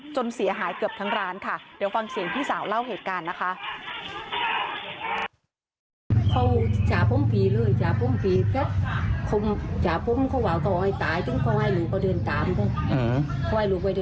เสียหายเกือบทั้งร้านค่ะเดี๋ยวฟังเสียงพี่สาวเล่าเหตุการณ์นะคะ